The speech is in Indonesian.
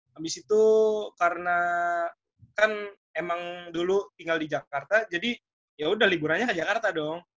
habis itu karena kan emang dulu tinggal di jakarta jadi yaudah liburannya ke jakarta dong